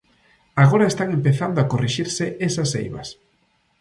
Agora están empezando a corrixirse esas eivas.